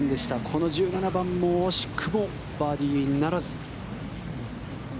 この１７番も惜しくもバーディーならず。